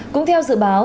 cũng theo dự báo